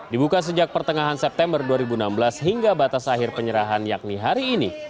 dibuka sejak pertengahan september dua ribu enam belas hingga batas akhir penyerahan yakni hari ini